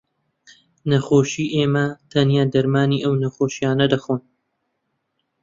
نەخۆشی ئێمە تەنیا دەرمانی ئەو نەخۆشییانە دەخۆن